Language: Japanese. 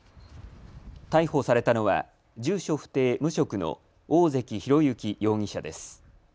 逮捕されたのは住所不定、無職の大関煕透容疑者です。